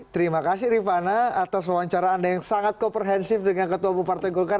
terima kasih rifana atas wawancara anda yang sangat komprehensif dengan ketua bumpartai golkar